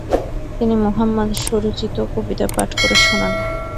তিনি মুহাম্মাদ স্বরচিত কবিতা পাঠ করে শোনান।